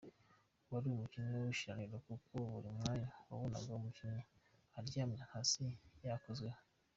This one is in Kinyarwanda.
Wari umukino w'ishiraniro kuko buri mwanya wabonaga umukinnyi aryamye hasi yakozweho .